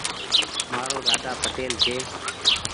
مآرو ۮاۮا پٽيل ڇي۔